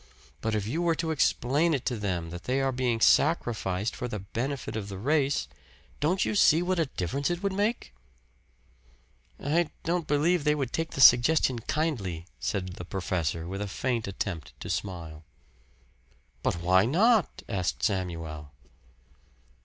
But if you were to explain to them that they are being sacrificed for the benefit of the race don't you see what a difference it would make?" "I don't believe they would take the suggestion kindly," said the professor with a faint attempt to smile. "But why not?" asked Samuel.